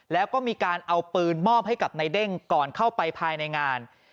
แล้วก็มีการเอาปืนมอบให้กับในเด้งก่อนเข้าไปภายในงาน